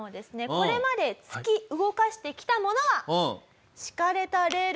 これまで突き動かしてきたものは。